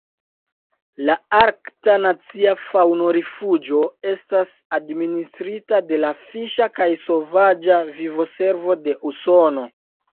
La Arkta Nacia Faŭno-Rifuĝo estas administrita de la Fiŝa kaj Sovaĝa Vivo-Servo de Usono.